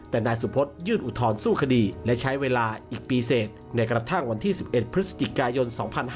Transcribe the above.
แต่นายสุพธยื่นอุทธรณ์สู้คดีและใช้เวลาอีกปีเสร็จในกระทั่งวันที่๑๑พฤศจิกายน๒๕๕๙